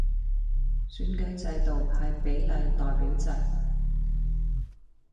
選舉制度係比例代表制